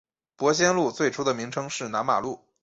伯先路最初的名称是南马路。